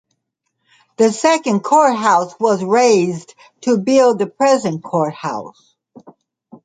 The second courthouse was razed to build the present courthouse.